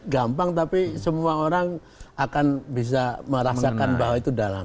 gampang tapi semua orang akan bisa merasakan bahwa itu dalam